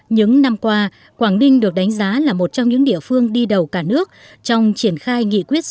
những năm qua quảng ninh được đánh giá là một trong những địa phương đi đầu cả nước trong triển khai nghị quyết số một mươi chín